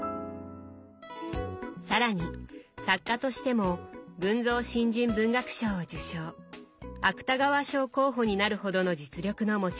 更に作家としても群像新人文学賞を受賞芥川賞候補になるほどの実力の持ち主。